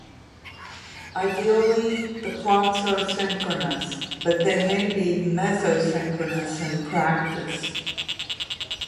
Ideally, the clocks are synchronous, but they may be mesochronous in practice.